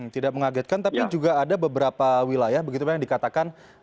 tidak mengagetkan tapi juga ada beberapa wilayah yang dikatakan